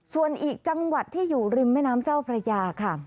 ส่วนอีกจังหวัดที่อยู่ริมแม่น้ำเจ้าพระยาค่ะ